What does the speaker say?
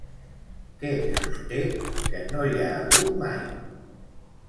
Què sosté que no hi ha hagut mai?